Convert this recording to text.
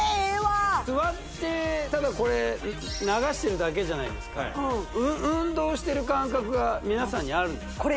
座ってただ流してるだけじゃないですか運動してる感覚が皆さんにあるんですか？